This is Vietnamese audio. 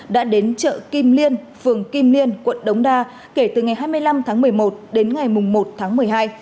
đã đến chợ kim liên phường kim liên quận đống đa kể từ ngày hai mươi năm tháng một mươi một đến ngày một tháng một mươi hai